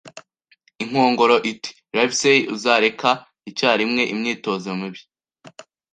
Inkongoro iti: “Livesey, uzareka icyarimwe imyitozo mibi.